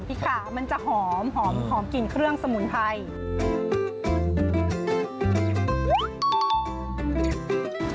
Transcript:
ค่ะมันจะหอมหอมกลิ่นเครื่องสมุนไพร